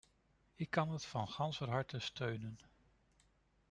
Ik kan het van ganser harte steunen.